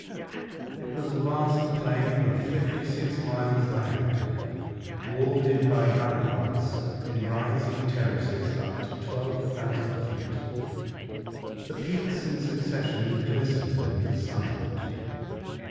It was a vast plain of 56 miles diameter, walled in by ramparts, in rising terraces up to 12,000 feet. The peaks in succession glistened in the sunlight.